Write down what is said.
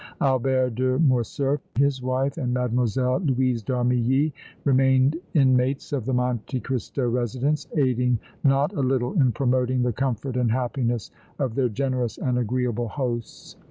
Albert de Morcerf, his wife and Mlle. Louise d' Armilly remained inmates of the Monte Cristo residence, aiding not a little in promoting the comfort and happiness of their generous and agreeable hosts.